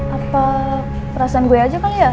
apa perasaan gue aja kali ya